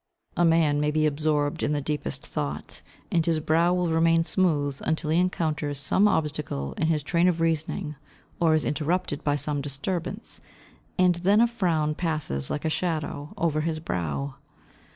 A man may be absorbed in the deepest thought, and his brow will remain smooth until he encounters some obstacle in his train of reasoning, or is interrupted by some disturbance, and then a frown passes like a shadow over his brow.